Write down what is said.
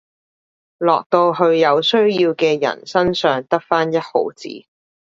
落到去有需要嘅人身上得返一毫子